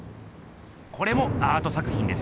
これもアート作品ですよ。